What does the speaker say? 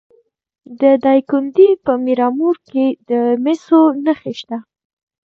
د دایکنډي په میرامور کې د مسو نښې شته.